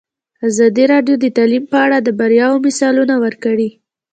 ازادي راډیو د تعلیم په اړه د بریاوو مثالونه ورکړي.